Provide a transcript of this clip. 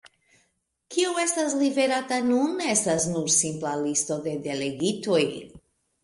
Kio estas liverata nun, estas nur simpla listo de delegitoj.